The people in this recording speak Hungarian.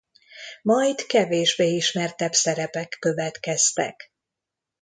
Majd kevésbé ismertebb szerepek következtek.